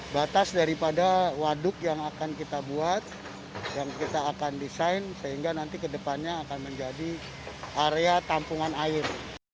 batas daripada waduk yang akan kita buat yang kita akan desain sehingga nanti kedepannya akan menjadi area tampungan air